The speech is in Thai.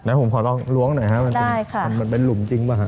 เดี๋ยวผมขอลองล้วงหน่อยครับมันเป็นหลุมจริงป่ะ